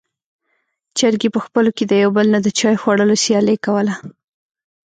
چرګې په خپلو کې د يو بل نه د چای خوړلو سیالي کوله.